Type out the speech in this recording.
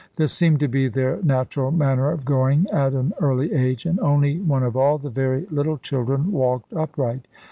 This seemed to be their natural manner of going at an early age: and only one of all the very little children walked upright.